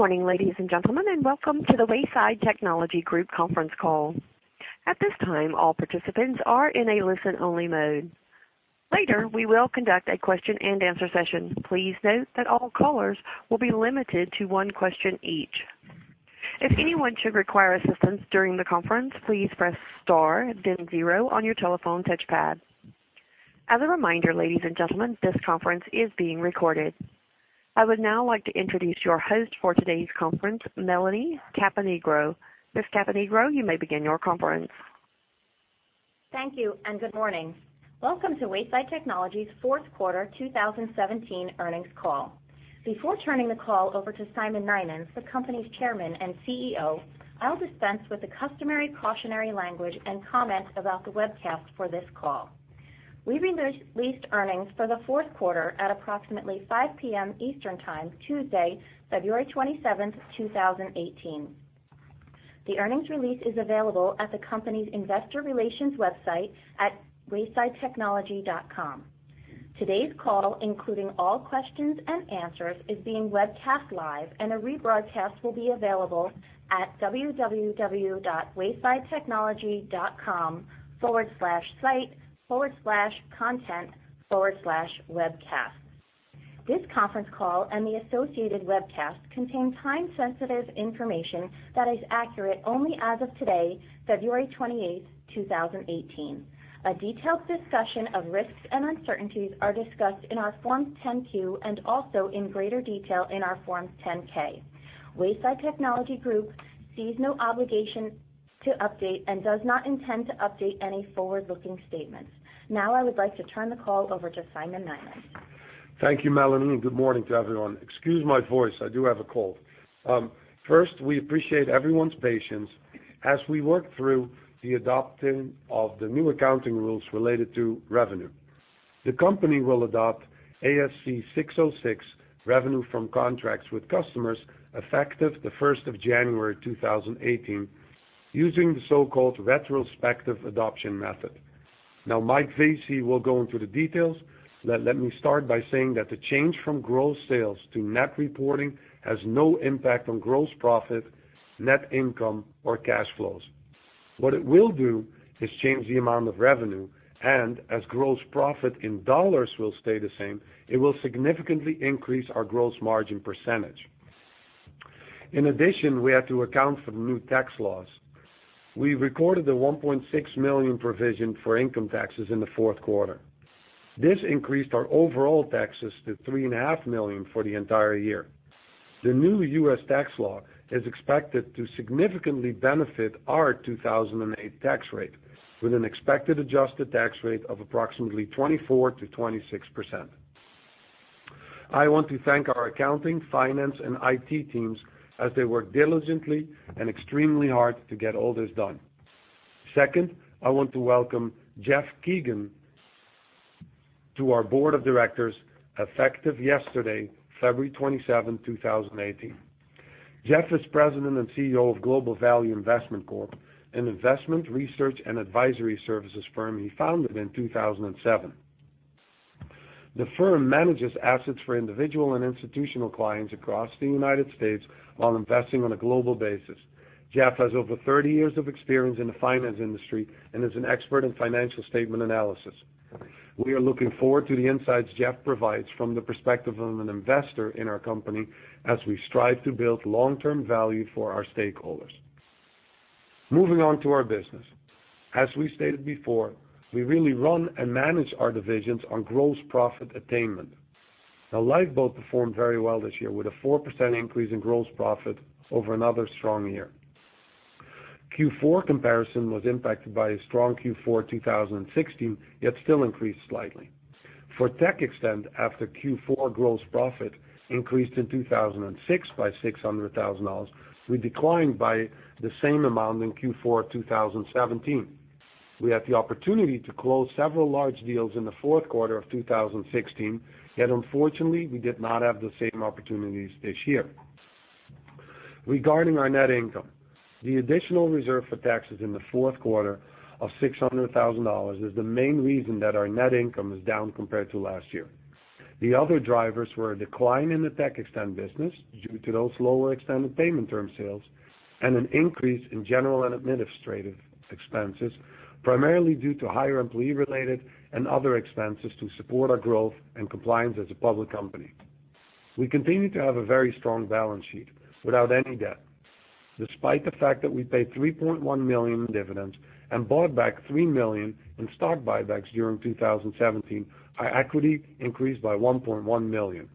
Good morning, ladies and gentlemen, welcome to the Wayside Technology Group conference call. At this time, all participants are in a listen-only mode. Later, we will conduct a question and answer session. Please note that all callers will be limited to one question each. If anyone should require assistance during the conference, please press star then zero on your telephone touchpad. As a reminder, ladies and gentlemen, this conference is being recorded. I would now like to introduce your host for today's conference, Melanie Caponigro. Ms. Caponigro, you may begin your conference. Thank you, good morning. Welcome to Wayside Technology's fourth quarter 2017 earnings call. Before turning the call over to Simon Nynens, the company's chairman and CEO, I'll dispense with the customary cautionary language and comment about the webcast for this call. We released earnings for the fourth quarter at approximately 5:00 P.M. Eastern Time, Tuesday, February 27, 2018. The earnings release is available at the company's investor relations website at waysidetechnology.com. Today's call, including all questions and answers, is being webcast live, a rebroadcast will be available at www.waysidetechnology.com/site/content/webcast. This conference call and the associated webcast contain time-sensitive information that is accurate only as of today, February 28, 2018. A detailed discussion of risks and uncertainties are discussed in our Form 10-Q and also in greater detail in our Form 10-K. Wayside Technology Group sees no obligation to update and does not intend to update any forward-looking statements. Now I would like to turn the call over to Simon Nynens. Thank you, Melanie, good morning to everyone. Excuse my voice, I do have a cold. First, we appreciate everyone's patience as we work through the adoption of the new accounting rules related to revenue. The company will adopt ASC 606, Revenue from Contracts with Customers, effective the 1st of January 2018, using the so-called retrospective adoption method. Mike Vesey will go into the details. Let me start by saying that the change from gross sales to net reporting has no impact on gross profit, net income or cash flows. What it will do is change the amount of revenue, as gross profit in dollars will stay the same, it will significantly increase our gross margin percentage. In addition, we had to account for the new tax laws. We recorded the $1.6 million provision for income taxes in the fourth quarter. This increased our overall taxes to $3.5 million for the entire year. The new U.S. tax law is expected to significantly benefit our 2008 tax rate, with an expected adjusted tax rate of approximately 24%-26%. I want to thank our accounting, finance, and IT teams as they worked diligently and extremely hard to get all this done. Second, I want to welcome Jeff Geygan to our board of directors effective yesterday, February 27, 2018. Jeff is President and CEO of Global Value Investment Corp., an investment research and advisory services firm he founded in 2007. The firm manages assets for individual and institutional clients across the U.S. while investing on a global basis. Jeff has over 30 years of experience in the finance industry and is an expert in financial statement analysis. We are looking forward to the insights Jeff provides from the perspective of an investor in our company as we strive to build long-term value for our stakeholders. Moving on to our business. As we stated before, we really run and manage our divisions on gross profit attainment. Lifeboat performed very well this year with a 4% increase in gross profit over another strong year. Q4 comparison was impacted by a strong Q4 2016, yet still increased slightly. For TechXtend, after Q4 gross profit increased in 2016 by $600,000, we declined by the same amount in Q4 2017. We had the opportunity to close several large deals in the fourth quarter of 2016, yet unfortunately, we did not have the same opportunities this year. Regarding our net income, the additional reserve for taxes in the fourth quarter of $600,000 is the main reason that our net income is down compared to last year. The other drivers were a decline in the TechXtend business due to those lower extended payment term sales and an increase in general and administrative expenses, primarily due to higher employee-related and other expenses to support our growth and compliance as a public company. We continue to have a very strong balance sheet without any debt. Despite the fact that we paid $3.1 million in dividends and bought back $3 million in stock buybacks during 2017, our equity increased by $1.1 million.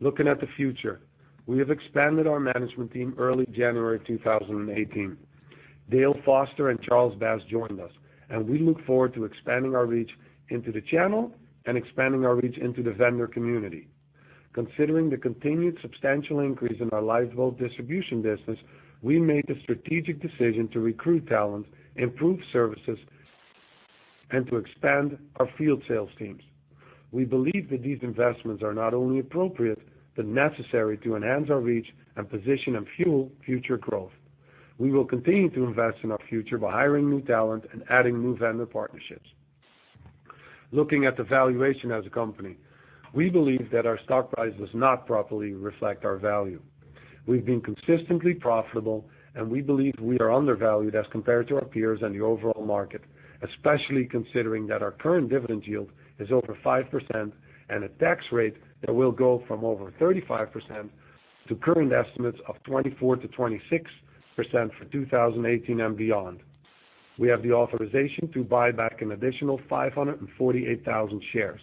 Looking at the future, we have expanded our management team early January 2018. Dale Foster and Charles Bass joined us, and we look forward to expanding our reach into the channel and expanding our reach into the vendor community. Considering the continued substantial increase in our Lifeboat Distribution business, we made the strategic decision to recruit talent, improve services, and to expand our field sales teams. We believe that these investments are not only appropriate, but necessary to enhance our reach and position and fuel future growth. We will continue to invest in our future by hiring new talent and adding new vendor partnerships. Looking at the valuation as a company, we believe that our stock price does not properly reflect our value. We've been consistently profitable, and we believe we are undervalued as compared to our peers and the overall market, especially considering that our current dividend yield is over 5% and a tax rate that will go from over 35% to current estimates of 24%-26% for 2018 and beyond. We have the authorization to buy back an additional 548,000 shares.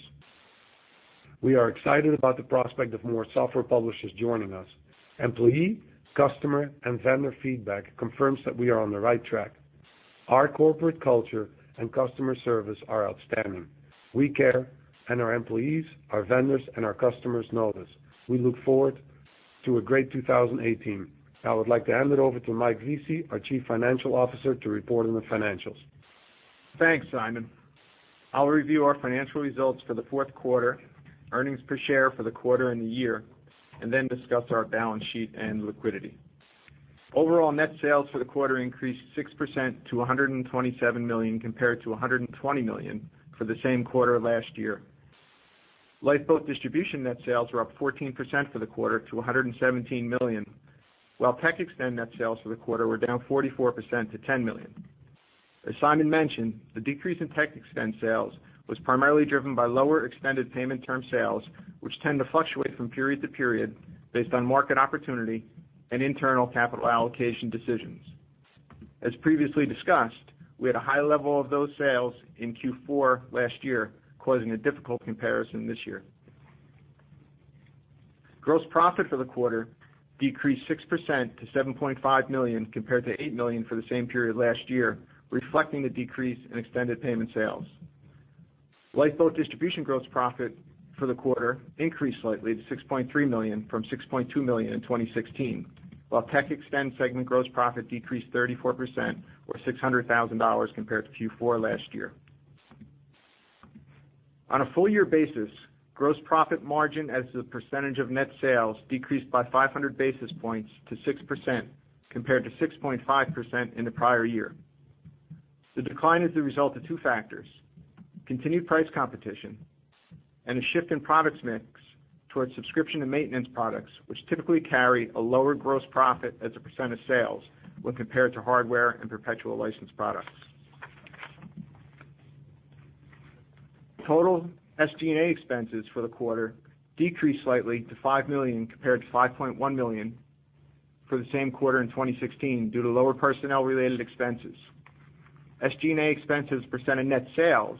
We are excited about the prospect of more software publishers joining us. Employee, customer, and vendor feedback confirms that we are on the right track. Our corporate culture and customer service are outstanding. We care, and our employees, our vendors, and our customers know this. We look forward to a great 2018. I would like to hand it over to Mike Vesey, our Chief Financial Officer, to report on the financials. Thanks, Simon. I'll review our financial results for the fourth quarter, earnings per share for the quarter and the year, then discuss our balance sheet and liquidity. Overall net sales for the quarter increased 6% to $127 million, compared to $120 million for the same quarter last year. Lifeboat Distribution net sales were up 14% for the quarter to $117 million, while TechXtend net sales for the quarter were down 44% to $10 million. As Simon mentioned, the decrease in TechXtend sales was primarily driven by lower extended payment term sales, which tend to fluctuate from period to period based on market opportunity and internal capital allocation decisions. As previously discussed, we had a high level of those sales in Q4 last year, causing a difficult comparison this year. Gross profit for the quarter decreased 6% to $7.5 million, compared to $8 million for the same period last year, reflecting the decrease in extended payment sales. Lifeboat Distribution gross profit for the quarter increased slightly to $6.3 million from $6.2 million in 2016, while TechXtend segment gross profit decreased 34%, or $600,000 compared to Q4 last year. On a full year basis, gross profit margin as a percentage of net sales decreased by 500 basis points to 6%, compared to 6.5% in the prior year. The decline is the result of two factors, continued price competition, and a shift in products mix towards subscription and maintenance products, which typically carry a lower gross profit as a percent of sales when compared to hardware and perpetual license products. Total SG&A expenses for the quarter decreased slightly to $5 million, compared to $5.1 million for the same quarter in 2016 due to lower personnel-related expenses. SG&A expenses percent of net sales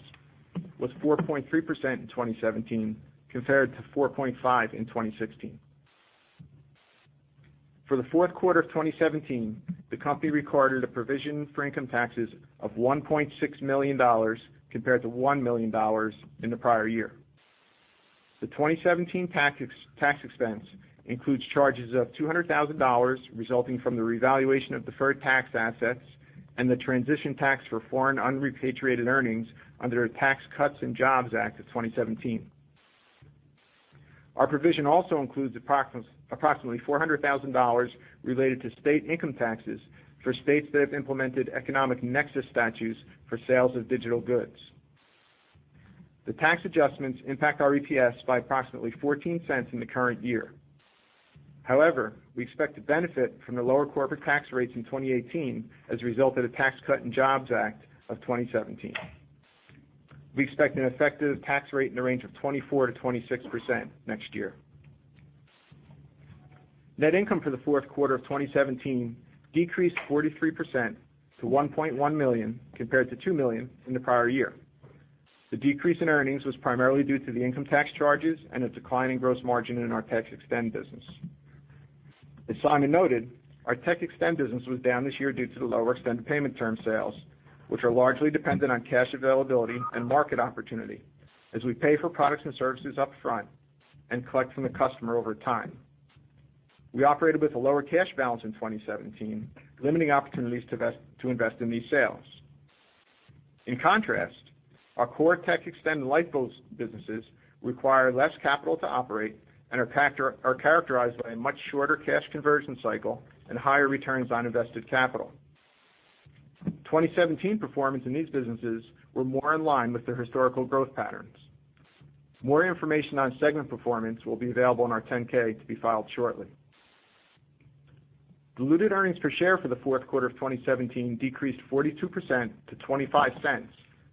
was 4.3% in 2017, compared to 4.5% in 2016. For the fourth quarter of 2017, the company recorded a provision for income taxes of $1.6 million, compared to $1 million in the prior year. The 2017 tax expense includes charges of $200,000 resulting from the revaluation of deferred tax assets and the transition tax for foreign unrepatriated earnings under the Tax Cuts and Jobs Act of 2017. Our provision also includes approximately $400,000 related to state income taxes for states that have implemented economic nexus statutes for sales of digital goods. The tax adjustments impact our EPS by approximately $0.14 in the current year. We expect to benefit from the lower corporate tax rates in 2018 as a result of the Tax Cuts and Jobs Act of 2017. We expect an effective tax rate in the range of 24%-26% next year. Net income for the fourth quarter of 2017 decreased 43% to $1.1 million, compared to $2 million in the prior year. The decrease in earnings was primarily due to the income tax charges and a decline in gross margin in our TechXtend business. As Simon Nynens noted, our TechXtend business was down this year due to the lower extended payment term sales, which are largely dependent on cash availability and market opportunity, as we pay for products and services upfront and collect from the customer over time. We operated with a lower cash balance in 2017, limiting opportunities to invest in these sales. In contrast, our core TechXtend and Lifeboat businesses require less capital to operate and are characterized by a much shorter cash conversion cycle and higher returns on invested capital. 2017 performance in these businesses were more in line with their historical growth patterns. More information on segment performance will be available in our 10-K to be filed shortly. Diluted earnings per share for the fourth quarter of 2017 decreased 42% to $0.25,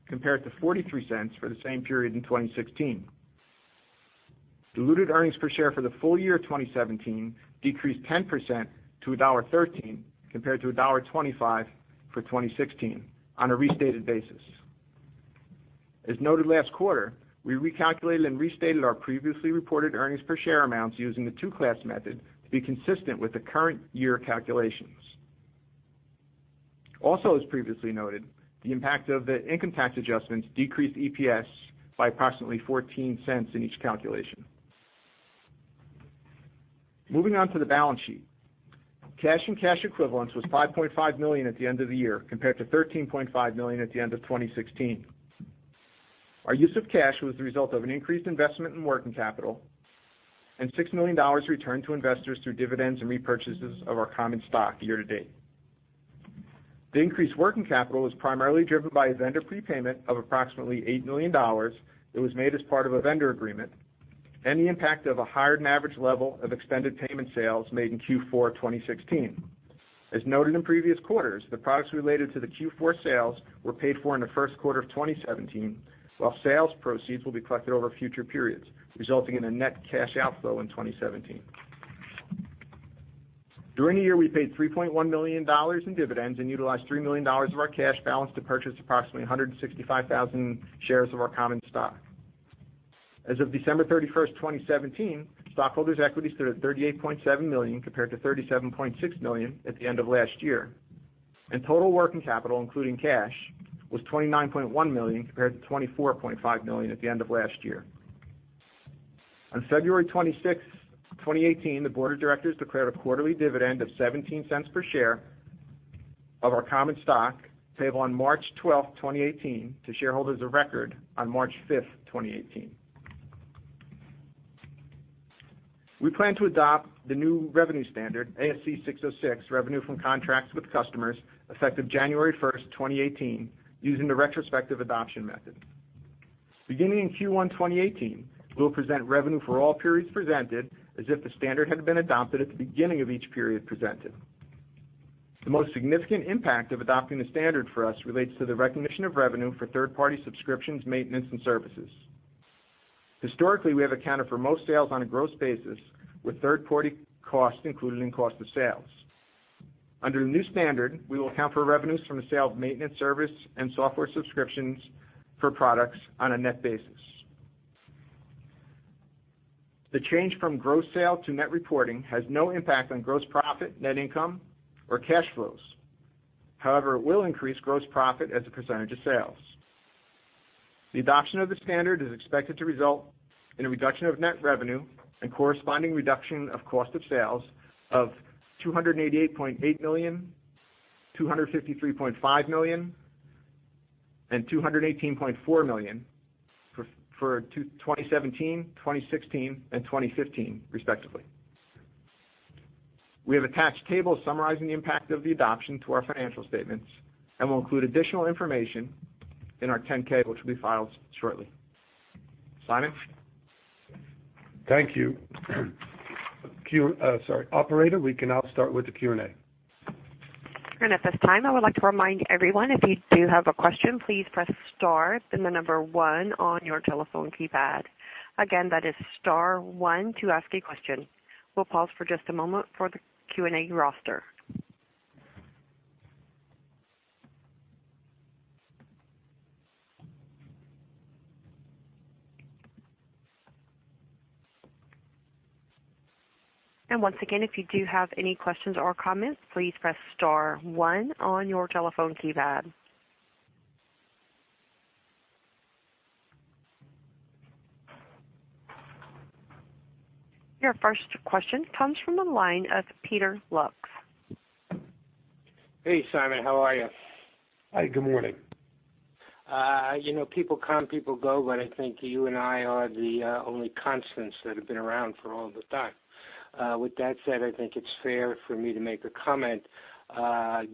compared to $0.43 for the same period in 2016. Diluted earnings per share for the full year 2017 decreased 10% to $1.13, compared to $1.25 for 2016 on a restated basis. As noted last quarter, we recalculated and restated our previously reported earnings per share amounts using the two-class method to be consistent with the current year calculations. As previously noted, the impact of the income tax adjustments decreased EPS by approximately $0.14 in each calculation. Moving on to the balance sheet. Cash and cash equivalents was $5.5 million at the end of the year, compared to $13.5 million at the end of 2016. Our use of cash was the result of an increased investment in working capital and $6 million returned to investors through dividends and repurchases of our common stock year to date. The increased working capital was primarily driven by a vendor prepayment of approximately $8 million that was made as part of a vendor agreement, and the impact of a higher-than-average level of extended payment sales made in Q4 2016. As noted in previous quarters, the products related to the Q4 sales were paid for in the first quarter of 2017, while sales proceeds will be collected over future periods, resulting in a net cash outflow in 2017. During the year, we paid $3.1 million in dividends and utilized $3 million of our cash balance to purchase approximately 165,000 shares of our common stock. As of December 31st, 2017, stockholders' equity stood at $38.7 million compared to $37.6 million at the end of last year. Total working capital, including cash, was $29.1 million compared to $24.5 million at the end of last year. On February 26th, 2018, the board of directors declared a quarterly dividend of $0.17 per share of our common stock payable on March 12th, 2018, to shareholders of record on March 5th, 2018. We plan to adopt the new revenue standard, ASC 606, Revenue From Contracts with Customers, effective January 1st, 2018, using the retrospective adoption method. Beginning in Q1 2018, we'll present revenue for all periods presented as if the standard had been adopted at the beginning of each period presented. The most significant impact of adopting the standard for us relates to the recognition of revenue for third-party subscriptions, maintenance, and services. Historically, we have accounted for most sales on a gross basis, with third-party costs included in cost of sales. Under the new standard, we will account for revenues from the sale of maintenance service and software subscriptions for products on a net basis. The change from gross sale to net reporting has no impact on gross profit, net income, or cash flows. However, it will increase gross profit as a percentage of sales. The adoption of the standard is expected to result in a reduction of net revenue and corresponding reduction of cost of sales of $288.8 million, $253.5 million, and $218.4 million for 2017, 2016, and 2015, respectively. We have attached tables summarizing the impact of the adoption to our financial statements and will include additional information in our 10-K, which will be filed shortly. Simon? Thank you. Sorry. Operator, we can now start with the Q&A. At this time, I would like to remind everyone if you do have a question, please press star, then the number one on your telephone keypad. Again, that is star one to ask a question. We'll pause for just a moment for the Q&A roster. Once again, if you do have any questions or comments, please press star one on your telephone keypad. Your first question comes from the line of Peter Lux. Hey, Simon. How are you? Hi. Good morning. I think you and I are the only constants that have been around for all the time. With that said, I think it's fair for me to make a comment.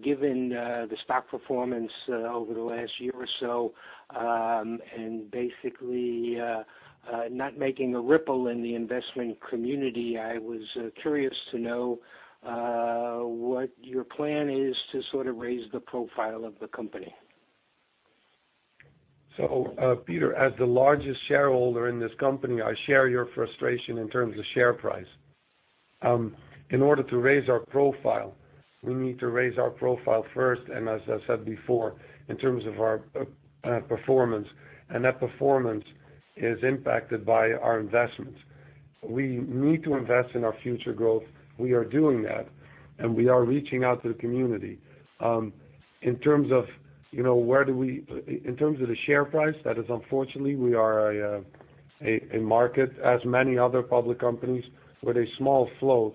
Given the stock performance over the last year or so, and basically, not making a ripple in the investment community, I was curious to know what your plan is to sort of raise the profile of the company. Peter, as the largest shareholder in this company, I share your frustration in terms of share price. In order to raise our profile, we need to raise our profile first, and as I said before, in terms of our performance, and that performance is impacted by our investments. We need to invest in our future growth. We are doing that, and we are reaching out to the community. In terms of the share price, that is unfortunately, we are a market, as many other public companies, with a small float.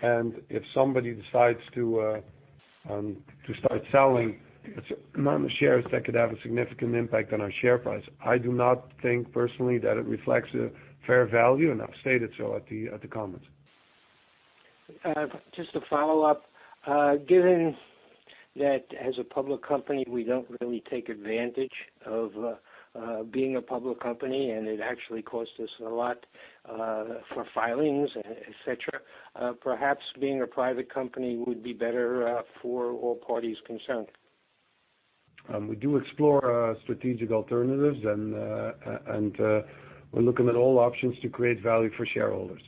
If somebody decides to start selling a amount of shares, that could have a significant impact on our share price. I do not think personally that it reflects a fair value, and I've stated so at the comments. Just to follow up. Given that as a public company, we don't really take advantage of being a public company, and it actually costs us a lot for filings, et cetera, perhaps being a private company would be better for all parties concerned. We do explore strategic alternatives, and we're looking at all options to create value for shareholders.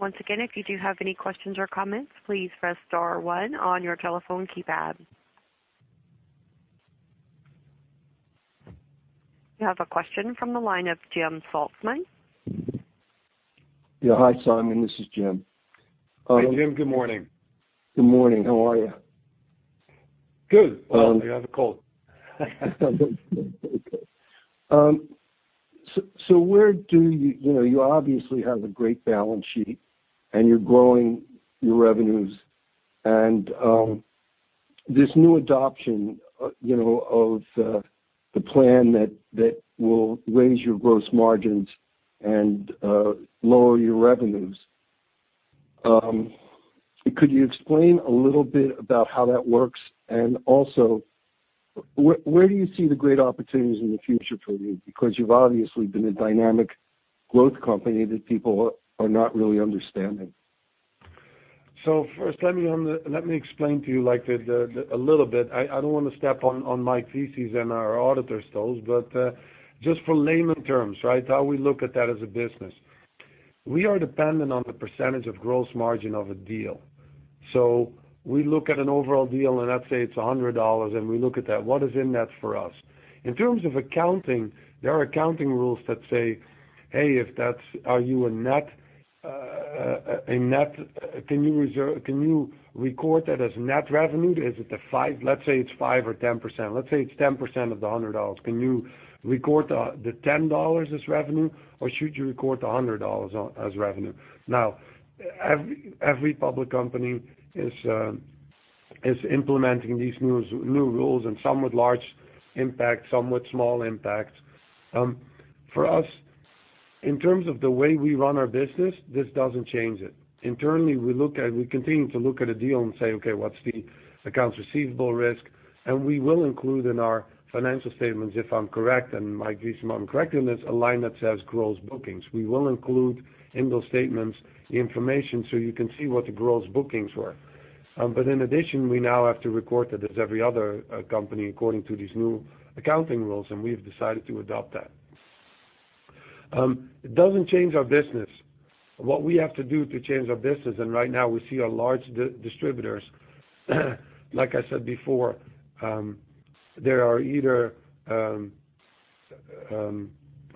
Once again, if you do have any questions or comments, please press star one on your telephone keypad. You have a question from the line of Jim Saltzman. Yeah. Hi, Simon. This is Jim. Hi, Jim. Good morning. Good morning. How are you? Good. Well, I have a cold. Okay. You obviously have a great balance sheet, and you're growing your revenues. This new adoption of the plan that will raise your gross margins and lower your revenues. Could you explain a little bit about how that works? Also, where do you see the great opportunities in the future for you? Because you've obviously been a dynamic growth company that people are not really understanding. First, let me explain to you a little bit. I don't want to step on Mike Vesey's and our auditors' toes, but just for layman terms, right? How we look at that as a business. We are dependent on the percentage of gross margin of a deal. We look at an overall deal, and let's say it's $100, and we look at that. What is in that for us? In terms of accounting, there are accounting rules that say, "Hey, can you record that as net revenue?" Let's say it's five or 10%. Let's say it's 10% of the $100. Can you record the $10 as revenue, or should you record the $100 as revenue? Every public company is implementing these new rules, and some with large impact, some with small impact. For us, in terms of the way we run our business, this doesn't change it. Internally, we continue to look at a deal and say, "Okay, what's the accounts receivable risk?" We will include in our financial statements, if I'm correct, and Mike, please tell me if I'm incorrect on this, a line that says gross bookings. We will include in those statements the information so you can see what the gross bookings were. In addition, we now have to record it as every other company according to these new accounting rules, and we've decided to adopt that. It doesn't change our business. What we have to do to change our business, and right now we see our large distributors, like I said before, they are either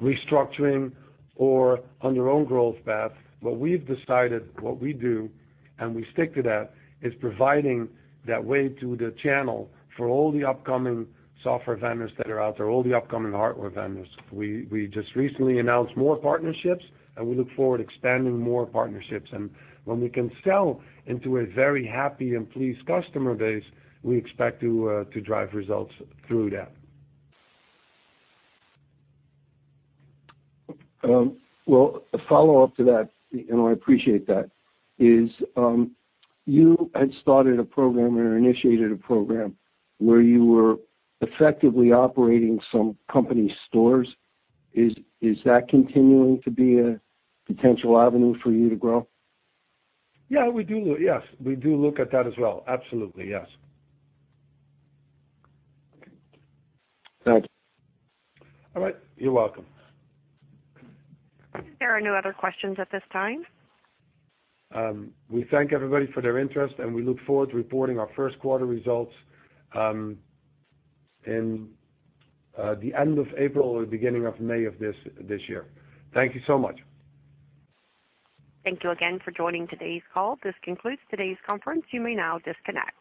restructuring or on their own growth path. What we've decided, what we do, and we stick to that, is providing that way to the channel for all the upcoming software vendors that are out there, all the upcoming hardware vendors. We just recently announced more partnerships, and we look forward to expanding more partnerships. When we can sell into a very happy and pleased customer base, we expect to drive results through that. Well, a follow-up to that, I appreciate that, is you had started a program or initiated a program where you were effectively operating some company stores. Is that continuing to be a potential avenue for you to grow? Yeah, we do. Yes. We do look at that as well. Absolutely, yes. Okay. Thank you. All right. You're welcome. There are no other questions at this time. We thank everybody for their interest, and we look forward to reporting our first quarter results in the end of April or beginning of May of this year. Thank you so much. Thank you again for joining today's call. This concludes today's conference. You may now disconnect.